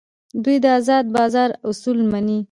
دوی د ازاد بازار اصول مني.